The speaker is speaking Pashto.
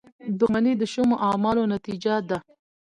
• دښمني د شومو اعمالو نتیجه ده.